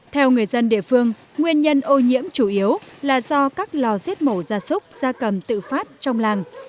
theo người dân địa phương nguyên nhân ô nhiễm chủ yếu là do các lò giết mổ gia súc gia cầm tự phát trong làng